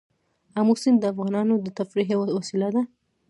آمو سیند د افغانانو د تفریح یوه وسیله ده.